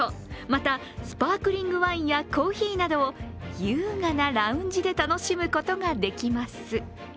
また、スパークリングワインやコーヒーなどを優雅なラウンジで楽しむことができます。